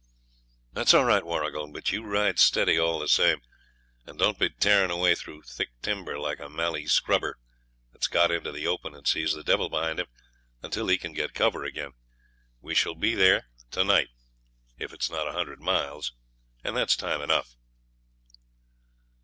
'That's all right, Warrigal; but you ride steady all the same, and don't be tearing away through thick timber, like a mallee scrubber that's got into the open and sees the devil behind him until he can get cover again. We shall be there to night if it's not a hundred miles, and that's time enough.'